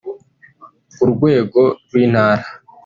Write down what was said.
ku rwego rw’Intara